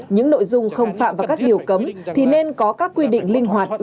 những nội dung không phạm vào các điều cấm thì nên có các quy định linh hoạt